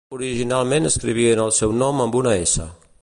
Originalment escrivien el seu nom amb una "S".